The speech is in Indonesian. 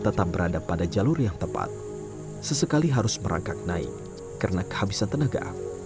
tetap berada pada jalur yang tepat sesekali harus merangkak naik karena kehabisan tenaga